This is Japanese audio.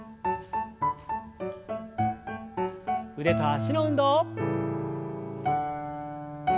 腕と脚の運動。